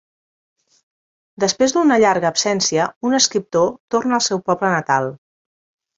Després d'una llarga absència, un escriptor torna al seu poble natal.